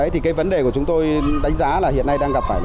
thì cái vấn đề của chúng tôi đánh giá là hiện nay đang gặp phải là